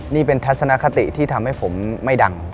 นี่เป็นทัศนคติที่ทำให้ผมไม่ดัง